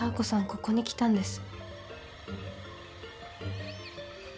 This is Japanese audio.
ここに来たんです。